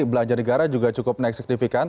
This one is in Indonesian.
belanja negara juga cukup naik signifikan